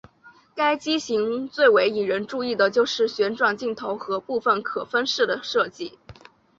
该机型最为引人注意的就是旋转镜头和部件可分式的设计。